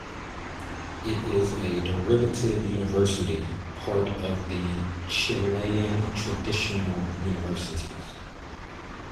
It is a derivative university part of the Chilean Traditional Universities.